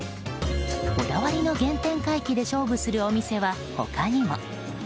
こだわりの原点回帰で勝負するお店は他にも。